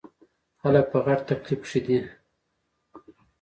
خلک په غټ تکليف کښې دے ـ